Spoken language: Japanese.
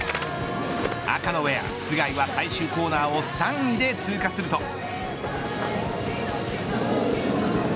赤のウエア、須貝は最終コーナーを３位で通過すると。